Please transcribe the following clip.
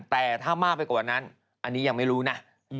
แต่ถ้ามากไปกว่านั้นอันนี้ยังไม่รู้นะ